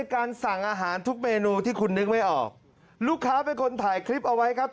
แล้วเวลามันพิเภณภัณฑ์ผมก็อยากจะยอดด้วย